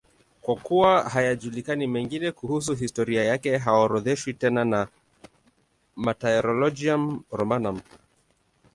Kwa kuwa hayajulikani mengine kuhusu historia yake, haorodheshwi tena na Martyrologium Romanum.